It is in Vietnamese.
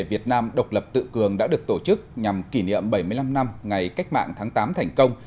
việt nam độc lập tự cường đã được tổ chức nhằm kỷ niệm bảy mươi năm năm ngày cách mạng tháng tám thành công